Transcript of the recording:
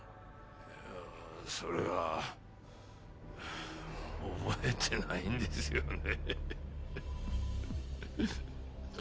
いやあそれが覚えてないんですよね。